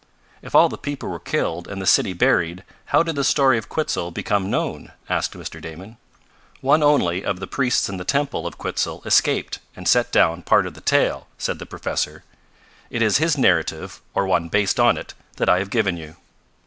"If all the people were killed, and the city buried, how did the story of Quitzel become known?" asked Mr. Damon. "One only of the priests in the temple of Quitzel escaped and set down part of the tale," said the professor. "It is his narrative, or one based on it, that I have given you."